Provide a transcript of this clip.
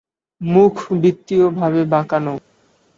মুখ বৃত্তীয় ভাবে বাঁকানো।